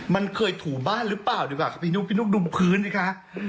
มันเคยถูบ้านหรือเปล่าดีกว่าครับพี่นุ๊กพี่นุ๊กดูมพื้นสิคะ